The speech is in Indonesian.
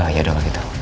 ya udah begitu